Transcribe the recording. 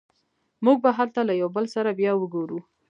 موږ به هلته له یو بل سره بیا وګورو